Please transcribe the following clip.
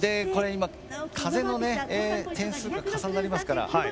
今、風の点数が重なりますから。